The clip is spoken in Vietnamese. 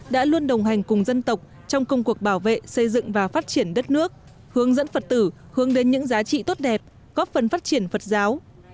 đã luôn đồng hành cùng dân tộc trong công cuộc bảo vệ xây dựng và phát triển đất nước hướng dẫn phật tử hướng đến những giá trị tốt đẹp góp phần phát triển phật giáo